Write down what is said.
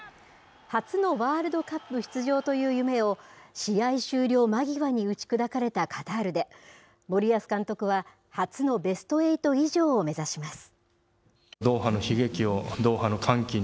初のワールドカップ出場という夢を、試合終了間際に打ち砕かれたカタールで、森保監督は、初のベストエイト以上を目指します。